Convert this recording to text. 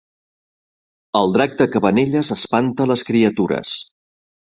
El drac de Cabanelles espanta les criatures